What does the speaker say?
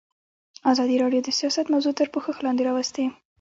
ازادي راډیو د سیاست موضوع تر پوښښ لاندې راوستې.